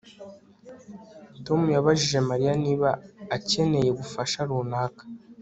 Tom yabajije Mariya niba akeneye ubufasha runaka